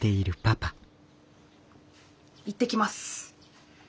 行ってきます。